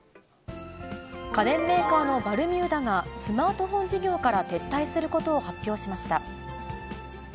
家電メーカーのバルミューダが、スマートフォン事業から撤退することを発表しました。